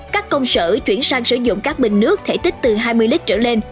các công sở chuyển sang sử dụng các bình nước thể tích từ hai mươi lít trở lên